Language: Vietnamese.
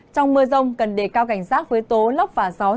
trong mưa rông cần để cao cảnh giác với tố lóc và gió